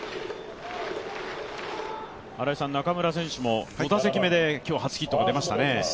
中村選手も５打席目で今日初ヒットが出ましたね。